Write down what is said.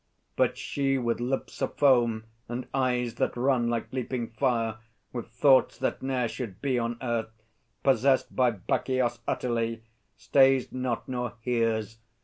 But she, with lips a foam and eyes that run Like leaping fire, with thoughts that ne'er should be On earth, possessed by Bacchios utterly, Stays not nor hears.